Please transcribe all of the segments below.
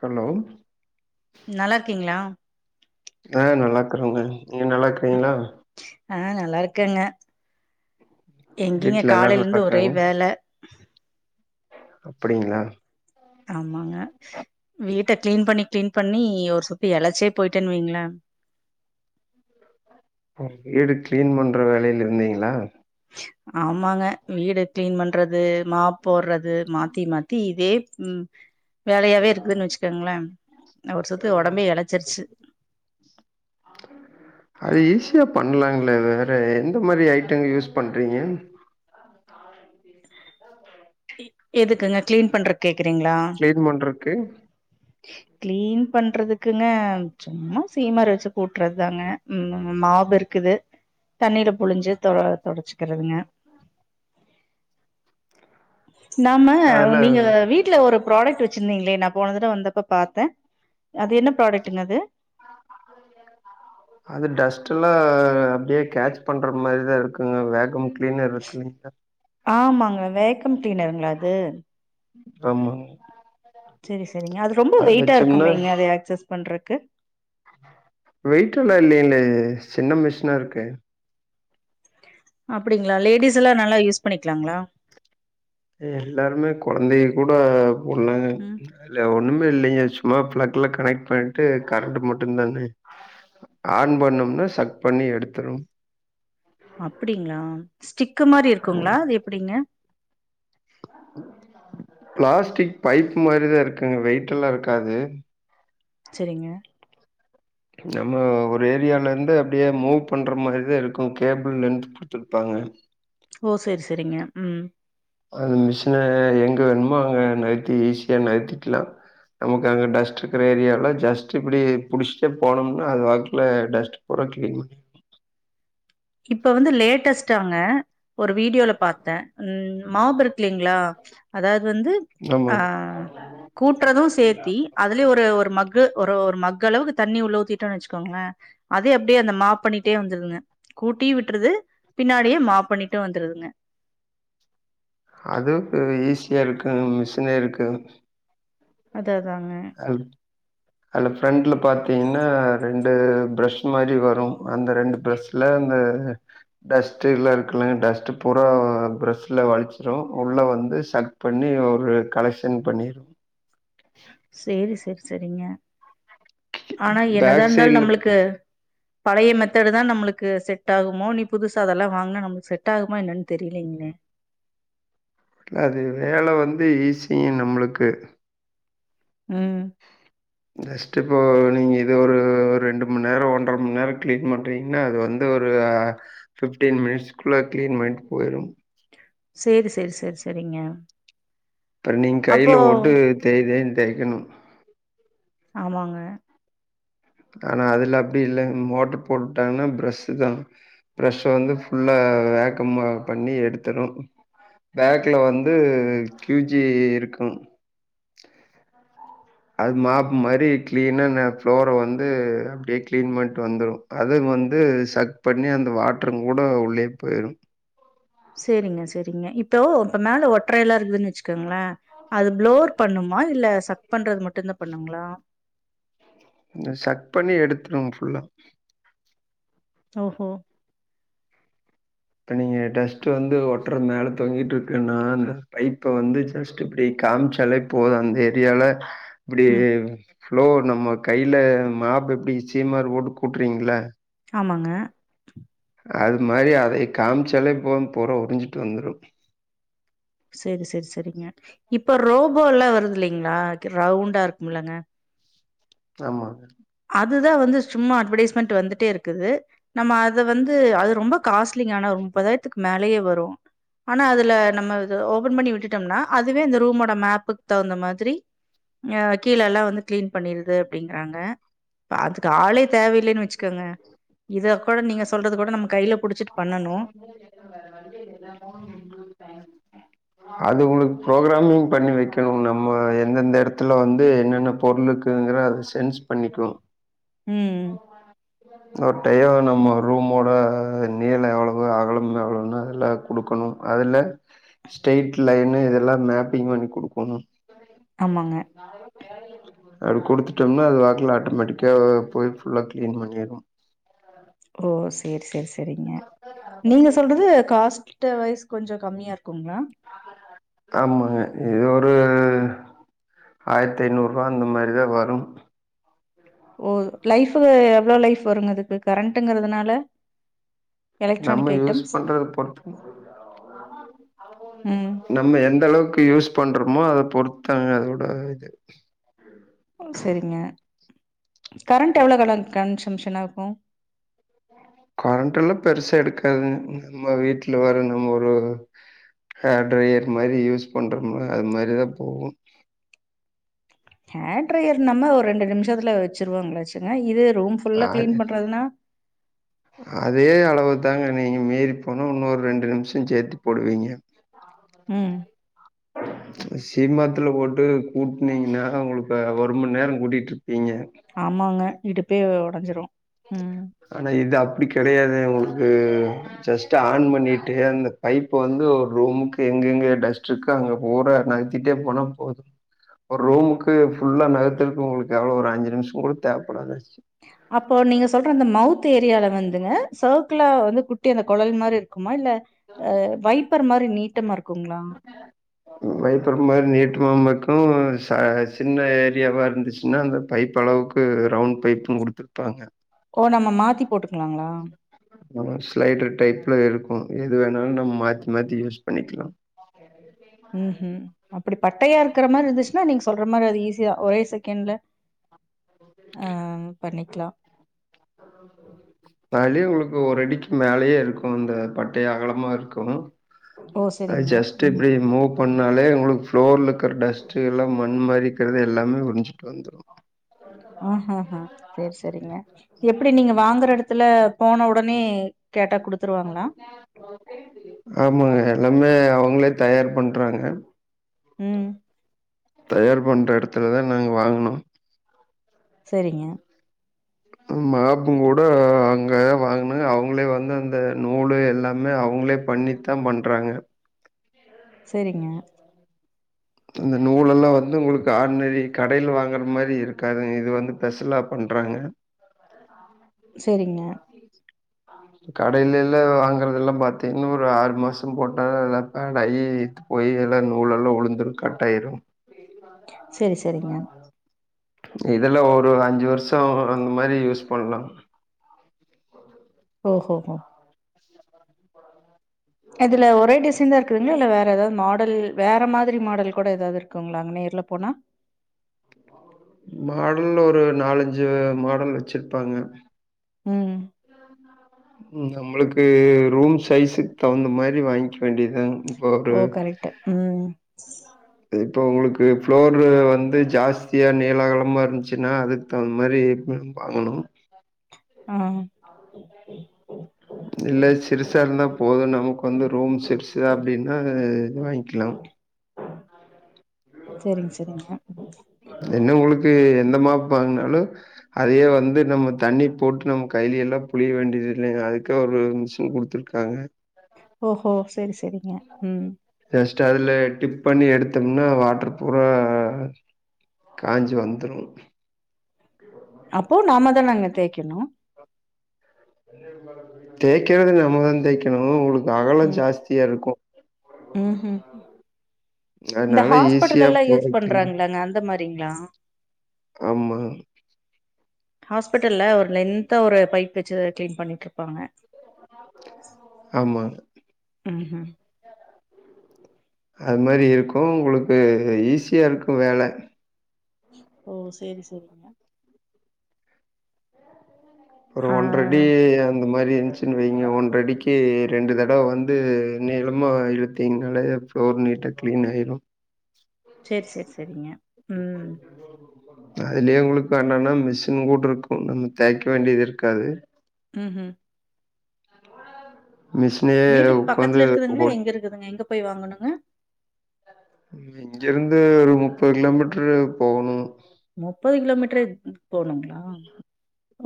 Hello நல்லா இருக்கீங்ளா ஆ நல்லா இருக்கறங்க நீங்க நல்லா இருக்கறீங்ளா ஆ நல்லா இருக்கேங்க எங்கிங்க வீட்ல எல்லாரு காலையில நல்லா இருந்து ஒரே வேல அப்படிங்ளா ஆமாங்க வீட்ட கிளீன் பண்ணி கிளீன் பண்ணி ஒரு சுத்தி எலைச்சே போயிட்டேன்னு வைங்களே [inaudible] ம் வீடு கிளீன் பண்ற வேலையில இருந்தீங்ளா ஆமாங்க வீடு க்ளீன் பண்றது மாப் போர்றது மாத்தி மாத்தி இதே ம் வேலையாவே இருக்குதுன் வச்சுக்கோங்ள நா ஒரு சுத்து ஒடம்பே எளச்சிருச்சு அ அது ஈஸியா பண்லாங்ளே வேற எந்த மாரி ஐட்டங்க யூஸ் பண்றீங்க இ எதுக்குங்க க்ளீன் பண்றக் கேக்குறீங்களா கிளீன் பண்றக்கு க்ளீன் பண்றதுக்குங்க சும்மா சீமர வச்சு கூட்றத்தாங்க மாப் இரு க்குது தண்ணீல புழிஞ்சு தொட தொடச்சுக்குறதுங்க நாம அதுல நீங்க வீ ட்ல ஒரு ப்ராடக்ட் வச்சிருந்தீங்ளே நா போன தடவ வந்தப்ப பாத்த அது என்ன ப்ராடக்ட்டுங்க அது அது டஸ்ட்டுல்லா அப்டியே கேட்ச் பண்ற மாரிதா இருக்குங்க வேக்கம் க்ளீனர் இருக்குல்லிங் ஆமாங்க வேக்கம் க்ளீனருங்ளா அது ஆமா செரி செரிங்க அது ரொம்ப வெயிட்டா இருக்குமேங்க அது ஆக்சஸ் பண்றக்கு வெய்ட்டெல்லா இல்லேலயே சின்ன மிஷினா இருக்கு அப்டிங்ளா லேடிஸெல்லா நல்லா யூஸ் பண்ணிக்லாங்ளா எல்லாருமே கொழந்தைக கூட போல்லாங்க ம். இல்ல ஒண்ணுமே இல்லேங்க சும்மா ப்ளக்ல கனெக்ட் பண்ணிட்டு கரண்ட் மட்டுந் தானே ஆன் பண்ணோம்னா சக் பண்ணி எடுத்துரு அப்டிங்ளா ஸ்டிக்கு மாரி இருக்குங்ளா அது எப்டிங்க ப்ளாஸ்டிக் பைப் மாரிதா இருக்குங்க வெயிட்டல்லா இருக்காது செரிங்க நம்ம ஒரு ஏரியாலேந்து அப்டியே மூவ் பண்ற மாரிதா இருக்கு கேபிள் லென்த் [unintelligible] ஓ சேரி சேரிங்க ம் அந்த மிஷின எங்க வேணுமோ அங்க நகத்தி ஈஸியா நகத்திக்லா நமக்கு அங்க டஸ்ட்டுக்குற ஏரியால ஜஸ்ட்டு இப்டி புடிச்ட்டே போனோம்னா அது பாட்ல டஸ்ட் [unintelligible] இப்ப வந்து லேட்டஸ்ட்டாங்க ஒரு வீடியோல பாத்த ம் மாப் இருக்குல்லிங்ளா அதாவ்து வந்து ஆமாங்க ஆ கூட்றது சேத்தி அதுலயே ஒரு ஒரு மக்கு ஒரு ஒரு மக்களவுக்கு தண்ணி உள்ள ஊத்தீட்டோனு வச்சுக்கோங்ளே அதே அப்டே அந்த மாப் பண்ணிட்டே வந்துருதுங்க கூட்டி விட்ருது பின்னாடியே மாப் பண்ணிட்டு வந்த்ருதுங்க அதுவு ஈஸியா இருக்கு மிஷினேருக்கு அத அதாங்க அ அல்ல ஃப்ரண்ட்ல பாத்தீங்கன்னா ரெண்டு ப்ரஷ் மாரி வரு அந்த ரெண்டு ப்ரஷ் ல அந்த டஸ்ட்டு எல்லா இருக்குலங் டஸ்ட்டு பூரா ப்ரஷ்ல வழிச்சிரு உள்ள வந்து சக் பண்ணி ஒரு கலெக்ஷன் பண்ணிரு சேரி செரி செரிங்க ஆனா என்னதா பேக் இருந்தாலு சைட்ல நம்ளுக்கு பழைய மெத்தேடுதா நம்மளுக்கு செட் ஆகுமோ இனி புதுசா அதல்லா வாங்னா நம்மளுக்கு செட் ஆகுமா என்னான் தெரிய்லீங்களே இல்ல அது வேல வந்து ஈஸியு நம்மளுக்கு ஆ ஜஸ்டு இப்போ நீங்க இது ஒரு ரெண்டு மணிநேர ஒன்ற மணிநேர கிளீன் பண்றீங்க என்னா அது வந்து ஒரு ஃபிப்டீன் மினிட்ஸ்குள்ள கிளீன் பண்ட்டு போயிரு சேரி செர் செரி செரிங்க இப்ப நீங்க கைல போட்டு தேய் தேய்ன்னு தேய்கணு ஆமாங்க ஆனா அதுல அப்டி இல்லங்க மோட்டர் போட்டு விட்டாங்னா ப்ரஷுதா பிரஷ்ஷ வந்து ஃபுல்லா வேக்கமா பண்ணி எடுத்துரு பேக்ல வந்து க்யூஜி இருக்கு அது மாப்பு மாரி கிளீனா ந ஃப்ளோர வந்து அப்டியே கிளீன் பண்ட்டு வந்துரு அது வந்து சக் பண்ணி அந்த வாட்டரு கூட உள்ளேயே போயிரு சேரிங்க செரிங்க இப்போ இப்ப மேல ஒட்ரையெல்லா இருக்குதுன்னு வச்சுக்கோங்களே அது ப்ளோர் பண்ணுமா இல்ல சக் பண்றது மட்டுதா பண்ணுங்ளா சக் பண்ணி எடுத்துரு ஃபுல்லா ஓஹோ இப்ப நீங்க டஸ்ட்டு வந்து ஒட்ற மேல தொங்கிட்டு இருக்குன்னா அந்த பைப்ப வந்து ஜஸ்ட் இப்டி காமிச்சாலே போது அந்த ஏரியால இப்டியே ம். ப்ளோர் நம்ம கைல்ல மாப் எப்டி சீமாரு போட்டு கூட்ரிங்ளா ஆமாங்க அது மாரி அத காமிச்சாலே போது பூற உருஞ்சிட்டு வந்துரு செரி செரி செரிங்க இப்ப ரோபோ எல்லா வருது இல்லைங்ளா ரவுண்டா இருக்கும்லங்க ஆமா அதுதா வந்து சும்மா அட்வடைஸ்மென்ட் வந்துட்டே இருக்குது நம்ம அத வந்து அது ரொம்ப காஸ்ட்லியான முப்பதாயிரத்துக்கு மேலயே வரு ஆனா அதுல நம்ம இ ஓபன் பண்ணி விட்டுட்டோம்னா அதுவே இந்த ரூமோட மேப்புக்கு தகுந்த மாதிரி கீழல்லா வந்து கிளீன் பண்ணிருது அப்டிங்குறாங்க அதுக்கு ஆளே தேவையில்லைன்னு வச்சுக்கோங்க இத கூட நீங்க சொல்றது கூட நம்ம கையில புடிச்சிட்டு பண்ணனு [unintelligible] அது உங்களுக்கு ப்ரோக்ராமிங் பண்ணி வக்கணு நம்ம எந்தெந்த எடத்துல வந்து என்னென்ன பொருளுக்குங்குற அத சேஜ் பண்ணிக்கனு உம் ஒரு டையோ நம்ம ரூமோட நீள எவ்வளவு அகலம் எவ்வளவுன்னு எல்லா குடுக்கணு அதுல ஸ்டைட் லயன்னு இதெல்லா மேப்பிங் பண்ணி குடுக்கணு ஆமாங்க [unintelligible] அத குடுத்துட்டோம்னா அது வாக்கல ஆட்டோமேட்டிக்கா போய் ஃபுல்லா கிளீன் பண்ணிரு ஓ செரி செரி செரிங்க நீங்க சொல்றது காஸ்ட் ட்டவயிஸ் கொஞ்சோ கம்மியா இருக்குங்ளா ஆமங்க இது ஒரு ஆயிரத்தி ஐநூறு ரூபா அந்த மாரிதா வரும் ஓ லைஃப்பு எவ்ளோ லைஃப் வருங்க இதுக்கு கரண்ட்டுங்குறதுனால நம்ம யூஸ் பண்றத பொருத்து ம் நம்ம எந்தளவுக்கு யூஸ் பண்றோமோ அத பொறுத்துதங்க அதோட இது செரிங்க கரண்ட்டு எவ்வளோ தொல கன்சம்ஷனா இருக்கு கரண்ட் எல்லா பெருசா இருக்காது நம்ம வீட்ல வர நம்ம ஒரு ஹேர் ட்ரை இது மாதிரி யூஸ் பண்றோம்னா அது மாதிரிதா போகு ஹேர் ட்ரயர் நம்ம ஒரு ரெண்டு நிமிஷத்துல வச்சுருவோ‌ வச்சுங்க இது ரூம் ஃபுல்லா அது கிளீன் பண்றதுனா அதே அளவு தாங்க நீங்க மீறி போனா இன்னொரு ரெண்டு நிமிஷ சேத்தி போடுவீங்க ம் சீமாத்தில போட்டு கூட்டனீங்கன்னா அவங்களுக்கு ஒரு மணி நேர கூட்டிகிட்டுருப்பீங்க ஆமாங்க இடுப்பே உடஞ்சிரு ம் ஆனா இது அப்டி கிடையாது உங்களுக்கு ஜஸ்ட் ஆன் பண்ணிட்டு அந்த பைப் வந்து ஒரு ரூமுக்கு எங்கெங்க டஸ்ட் இருக் கோ அங்க போறா நகத்திட்டே போனா போது ஒரு ரூமுக்கு ஃபுல்லா நகத்துக்கு உங்களுக்கு எவ்வளவு ஒரு அஞ்சு நிமிஷ கூட தேவைப்படாது ஆச்சு அப்போ நீங்க சொல்ற அந்த மௌத் து ஏரியால வந்துங்க சர்கலா வந்து குட்டி அந்த குளஸ் மாதிரி இருக்குமா இல்ல வைப் பேர் மாதிரி நீட்டாமா இருக்குங்களா வைப்புற மாதிரி நீட்டமா இருக்கு ச சின்ன ஏரியாவா இருந்துச்சுன்னா அந்த பைப் அளவுக் கு ரவுண்ட் பைப்பு கொடுத்துருப்பாங்க ஓ நம்ம மாத்தி போட்டுக்கலாங்களா ஸ்லைட் டைப்ல இருக்கு எது வேணாலு நம்ம மாத்தி மாத்தி யூஸ் பண்ணிக்கலா ம் ம் அப்டி பட்டயா இருக்கிற மாதிரி இருந்துச்சுன்னா நீங்க சொல்ற மாதிரி அது ஈஸியா ஒரே செகண்ட்ல ஆ பண்ணிக்கலா பாடி உங்களுக்கு ஒரு அடிக்கு மேலயே இருக்கு அந்த பட்டையா அகலமா இரு க்கு ஓ! அது சரிங்க. ஜஸ்ட் ம். இப்டி மூக் பண்ணாலே உங்களுக்கு ஃப்ளோர்ல இருக்கிற டஸ்ட்டு எல்லாமே மண் மாறிக்கிறது எல்லாமே உரிஞ்சிட்டு வந்துடு ஆ ஆ ஆ செரி செரிங்க எப்டி நீங்க வாங்குற இடத்துல போன உடனே கேட்டா குடுத்துருவாங்களா ஆமாங்க எல்லாமே அவங்களே தயார் பண்றாங்க ம் தயார் பண்ற இடத்துல தா நாங்க வாங்குனோ செரிங்க மாப்பும் கூட அங்கே வாங்கின அவங்களே வந்து அந்த நூலு எல்லாமே அவங்களே பண்ணித்தா பண்றாங்க செரிங்க இந்த நூலெல்லாம் வந்து உங்களுக்கு ஆட்நரி கடையில வாங்கற மாரி இருக்காதுங்க இது வந்து ஸ்பெஷலா பண்றாங்க செரிங்க கடையில எல்ல வாங்குறத எல்லா பாத்திங்க இன்னும் ஒரு ஆறு மாசம் போட்டால் லப்பேன் ஐ ஐ இ போய் எல்லாம் நூலெல்லாம் உழுந்துரும் கட் ஆயிடும் செரி செரிங்க இதெலாம் ஒரு அஞ்சு வருஷம் அந்த மாரி யூஸ் பண்லாம் ஓ ஹோ ஹோ இதுல ஒரே டிசைன் தான் இருக்குதுங்களா இல்ல வேற ஏதாவது மாடல் வேற மாதிரி மாடல் கூட ஏதாவது இருக்குங்களா அங்க நேர்ல போனா மாடல் ஒரு நாலஞ்சு மாடல் வச்சிருப்பாங்க ம் நம்மளுக்கு ரூம் சைஸுக்கு தகுந்த மாரி வாங்கிக்க வேண்டியதா இப்ப ஒரு ஓ! கரெக்ட்டு. ம். இப்போ உங்களுக்கு ஃப்ளோரு வந்து ஜாஸ்தியா நீள நீளமா இருந்ச்சுனா அதுக்கு தகுந்த மாரி வாங்கணும் ஆ இல்ல சிரிசா இருந்தா போதும் நமக்கு வந்து ரூம் சிரிசுதா அப்டின்னா இது வாயிங்க்கலா சரிங்க சரிங்க என்ன உங்களுக்கு எந்த மாப் வாங்னாலும் அதைய வந்து நம்ம தண்ணி போட்டு நம்ம கைலில்லாம் புளிய வேண்டியதில்ல அதுக்கு ஒரு மிஷின் குடுத்துருக்காங்க ஓஹோ சரி சரிங்க ம் ஜஸ்ட் அதுல டிப் பண்ணி எடுத்தோம்னா வாட்டர் பூரா காஞ்சு வந்துரும் அப்போ நாம தானங்க தேக்கணும் தேக்கறது நம்மதா தேய்க்கணும் உங்களுக்கு அகலம் ஜாஸ்தியா இருக்கு ம் ம் இந்த அதனால ஈஸியா ஹாஸ்பிட்டல்லலா யூஸ் போறக்கு பண்றாங்களே அந்த மாரிங்களா ஆமா ஹாஸ்பிட்டல்ல ஒரு லெந்தா ஒரு பைப் வச்சு கிளீன் பண்ணிட்டுருப்பாங்க ஆமா ம் ஹூம் அது மாரி இருக்கும் உங்களுக்கு ஈஸியா இருக்கும் வேல ஓ சேரி சேரி ஒரு ஆ. ஒன்றடி அந்த மாரி இருந்ச்சுன் வைங்க ஒன்றடிக்கு ரெண்டு தடவ வந்து நீளமா இழுத்திங்கனாவே ஃப்ளோர் நீட்டா க்ளீன் ஆயிரும் சேர் சேர் சேரிங்க அதுலயே உங்களுக்கு என்னன்னா மிஷின் போட்ருக்கும் நம்ம தேய்க்க வேண்டிது இருக்காது ம் ம் மிஸ் வீட்டுக்கு பக்கத்துல இருக்குதுங்களா எங்க இருக்குதுங்க எங்க போய் வாங்கணுங்க இங்கருந்து ஒரு முப்பது கிலோமீட்டரு போகணும் முப்பது கிலோமீட்டர் போணுங்களா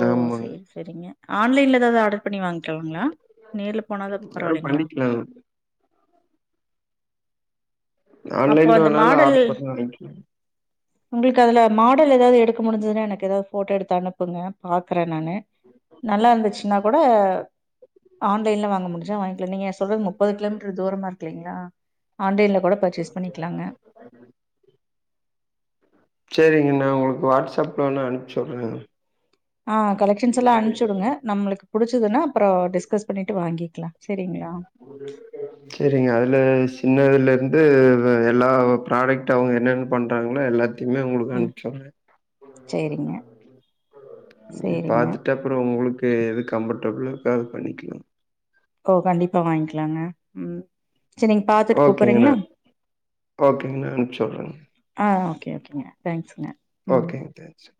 ஓ ஆமாங்க. சரி சரிங்க ஆன்லைன்ல ஏதாவது ஆர்டர் பண்ணி வாயிங்க்கலாங்களா நேர்ல போனாத ஆ பரவாயில்லைங்களா பண்ணிக்கலாம். அப்போ ஆன்லைன்ல அந்த வேணாலு மாடல் ஆர்டர் பண்ணி வாயிங்கலா உங்களுக்கு அதுல மாடல் ஏதாவது எடுக்க முடிஞ்சதுன்னா எனக்கு ஏதாவது போட்டோ எடுத்து அனுப்புங்க பாக்கறேன் நானு நல்லா இருந்துச்சுன்னா கூட ஆன்லைன்ல வாங்க முடிஞ்சா வாயிங்கற நீங்க சொல்றது முப்பது கிலோமீட்டர் தூரமா இருக்கு இல்லீங்களா ஆன்லைன்ல கூட பர்ச்சேஸ் பண்ணிக்கலாங்க சரிங்க நா உங்களுக்கு வாட்ஸ்அப் வேணா அனுப்ச்சுடறேங்க ஆ கலெக்ஷன்ஸ் எல்லாம் அனுப்ச்சு விடுங்க நம்மளுக்கு புடிச்சதுன்னா அப்றம் டிஸ்கஸ் பண்ணிட்டு வாங்கிக்கலா சரிங்களா ஒரு சரிங்க அதுல சின்னதுலருந்து எல்லா ப்ராடக்ட் அவங்க என்னென்ன பன்றாங்களோ எல்லா த்தயுமே உங்களுக்கு அனுப்ச்சுடறே சரிங்க பாத்துட்டு அப்பறோ உங்களுக்கு எது கம்ஃபர்டபிளா இருக்க அத பண்ணிக்கலா ஓ கண்டிப்பா வாங்கிக்கலாங்க ம் சேரி நீங்க பாத்துட்டு ஓகேங்க. கூப்ற்றீங்களா நான் ஓகேங்க. நான் அனுப்ச்சு விடுறேங்க. ஆ ஓகே ஓகேங்க தேங்க்ஸுங்க ஓகேங்க தேங்க்ஸ்